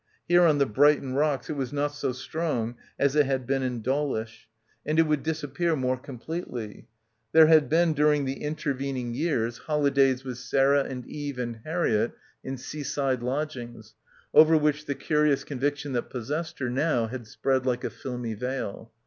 Here on the Brighton rocks it was not so strong as it had been in Dawlish. And it would disappear more com — 238 — BACKWATER pletely. There had been during the intervening years holidays with Sarah and Eve and Harriett in seaside lodgings, over which the curious convic tion that possessed her now had spread like a filmy veil.